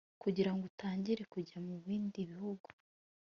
kugirango utangire. kujya mubindi bihugu